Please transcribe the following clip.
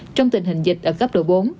trong tình hình dịch ở cấp độ bốn